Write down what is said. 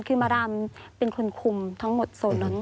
คือมารามเป็นคนคุมทั้งหมดโซนนั้น